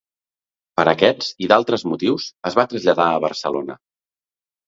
Per aquest, i d’altres motius, es va traslladar a Barcelona.